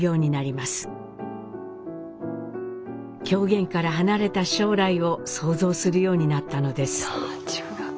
狂言から離れた将来を想像するようになったのです。